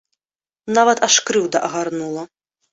Нават аж крыўда агарнула.